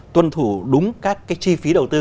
tuân thủ đúng các cái chi phí đầu tư